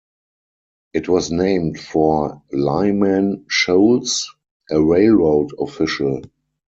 It was named for Lyman Sholes, a railroad official.